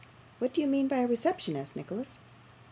'What do you mean by a reception?' asked Nicholas.